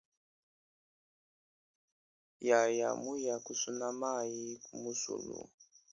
Yaya muya kusuna mayi ku musulu.